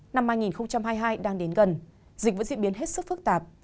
năm hai nghìn hai mươi hai đang đến gần dịch vẫn diễn biến hết sức phức tạp